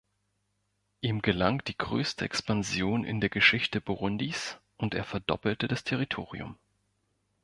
Ihm gelang die größte Expansion in der Geschichte Burundis und er verdoppelte das Territorium.